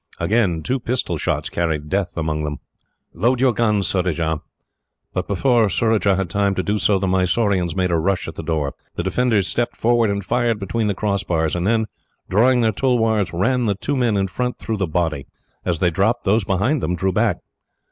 Again two pistol shots carried death among them. "Load your guns, Surajah." But before Surajah had time to do so, the Mysoreans made a rush at the door. The defenders stepped forward and fired between the crossbars, and then, drawing their tulwars, ran the two men in front through the body. As they dropped, those behind them drew back.